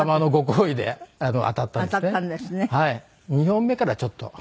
２本目からちょっと。